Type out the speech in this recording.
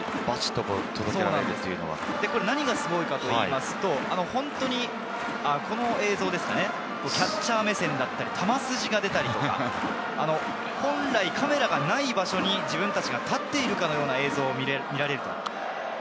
何がすごいかと言いますと、本当にキャッチャー目線だったり、球筋が出たりとか、本来、カメラがない場所に自分たちが立っているかのような映像が見られます。